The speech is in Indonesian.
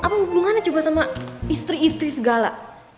apa hubungannya coba sama istri istri segala